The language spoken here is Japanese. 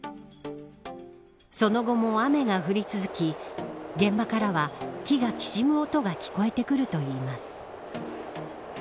その後も雨が降り続き現場からは木がきしむ音が聞こえてくるといいます